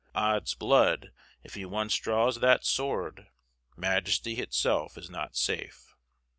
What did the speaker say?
Odd's blood! if he once draws that sword, Majesty itself is not safe.